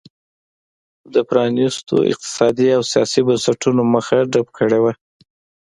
د پرانیستو اقتصادي او سیاسي بنسټونو مخه ډپ کړې وه.